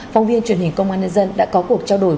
phóng viên truyền hình công an nhân dân đã có cuộc trao đổi